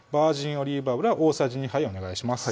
オリーブ油を大さじ２杯お願いします